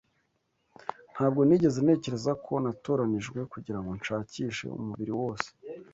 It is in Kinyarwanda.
Ntabwo nigeze ntekereza ko natoranijwe kugirango nshakishe umubiri wose.